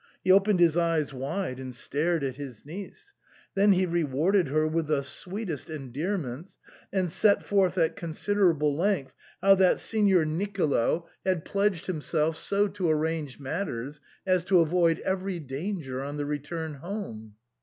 He opened his eyes wide and stared at his niece. Then he re warded her with the sweetest endearments, and set forth at considerable length how that Signor Nicolo 136 SIGNOR FORMICA. had pledged himself so to arrange matters as co avoid every danger on the return home.